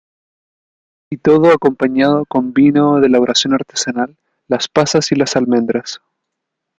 Y todo, acompañado con vino de elaboración artesanal, las pasas y las almendras.